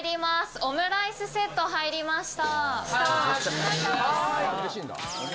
オムライスセット入りました。